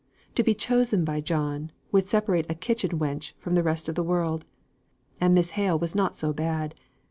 To be chosen by John, would separate a kitchen wench from the rest of the world. And Miss Hale was not so bad.